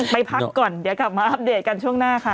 ไปพักก่อนเดี๋ยวกลับมาอัปเดตกันช่วงหน้าค่ะ